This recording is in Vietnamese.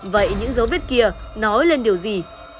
vậy những dấu vết kia nói lên điều gì